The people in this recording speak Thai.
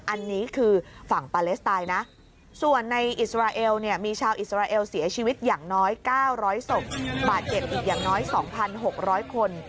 อันนี้คือฝั่งปาเลสไตน์นะส่วนในอิสราเอลเนี่ยมีชาวอิสราเอลเสียชีวิตอย่างน้อย๙๐๐ศพบาดเจ็บอีกอย่างน้อย๒๖๐๐คน